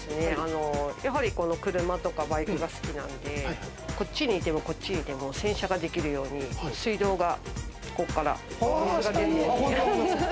やはり、この車とかバイクが好きなので、こっちにいてもこっちにいても洗車ができるように、水道がここから。